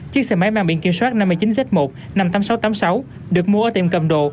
chiếc xe máy mang biển kiểm soát năm mươi chín z một năm mươi tám nghìn sáu trăm tám mươi sáu được mua ở tiệm cầm đồ